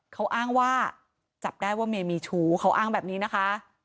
เขาอ้างว่าจับได้ว่าเมียมีชู้เขาอ้างแบบนี้นะคะ